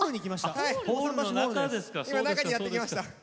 今中にやって来ました。